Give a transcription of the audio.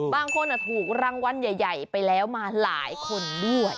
บางคนถูกรางวัลใหญ่ไปแล้วมาหลายคนด้วย